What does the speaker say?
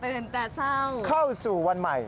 แต่เศร้าเข้าสู่วันใหม่